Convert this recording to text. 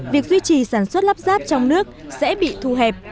việc duy trì sản xuất lắp ráp trong nước sẽ bị thu hẹp